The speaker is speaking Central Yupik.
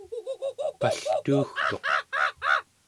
paltuugtuq